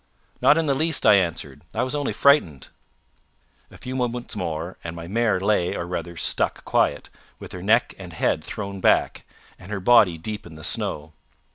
"Not in the least," I answered. "I was only frightened." A few moments more, and my mare lay or rather stuck quiet, with her neck and head thrown back, and her body deep in the snow.